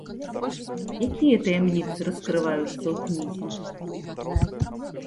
Якія таямніцы раскрываюцца ў кнізе?